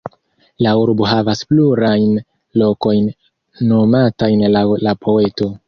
La urbo havas plurajn lokojn nomatajn laŭ la poeto.